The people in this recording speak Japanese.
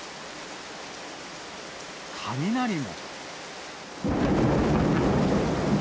雷も。